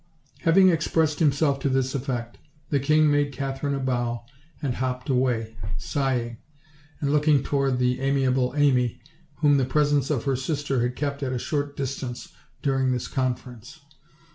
154 OLD, OLD FAI&7 TALES. Having expressed himself to this effect, the king made Katherine a bow and hopped away, sighing, and looking toward the amiable Amy, whom the presence of her sis ter had kept at a short distance during this conference.